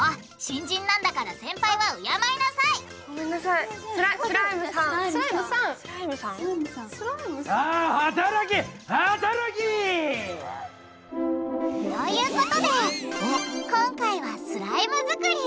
新人なんだから先輩は敬いなさい！ということで今回はスライム作り！